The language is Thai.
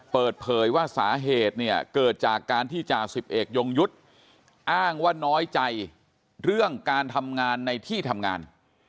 เปิดเผยว่าสาเหตุเนี่ยเกิดจากการที่จ่าสิบเอกยงยุทธ์อ้างว่าน้อยใจเรื่องการทำงานในที่ทำงาน